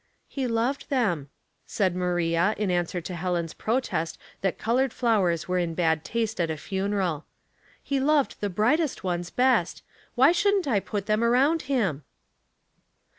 "He loved them," said Maria, in answer to Helen's protest that colored flowers were in bad taste at a funeral. " He loved the brightest ones best — why shouldn't 1 put them around him?"